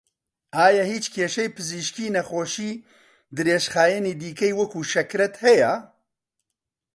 ئایا هیچ کێشەی پزیشکی نەخۆشی درێژخایەنی دیکەی وەکوو شەکرەت هەیە؟